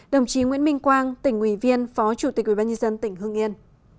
đồng chí nguyễn minh quang tỉnh ủy viên phó chủ tịch ủy ban nhân dân tỉnh hương yên